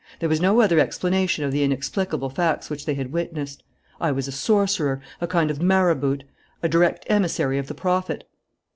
There was no other explanation of the inexplicable facts which they had witnessed. I was a sorcerer, a kind of marabout, a direct emissary of the Prophet."